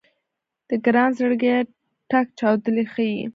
د ګران زړګيه ټک چاودلی ښه يې